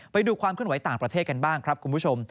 ไปดูความขึ้นไหวต่างประเทศกันบ้างครับคุณผู้ชม